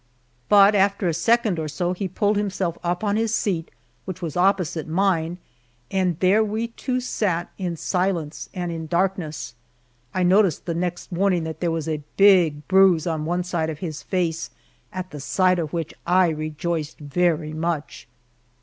But after a second or so he pulled himself up on his seat, which was opposite mine, and there we two sat in silence and in darkness. I noticed the next morning that there was a big bruise on one side of his face, at the sight of which I rejoiced very much.